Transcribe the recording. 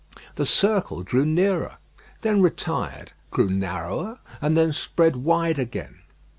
The circle drew nearer, then retired; grew narrower, and then spread wide again.